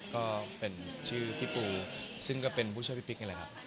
ก็เป็นชื่อพี่ปูซึ่งก็เป็นผู้ช่วยพี่ปิ๊กนี่แหละครับ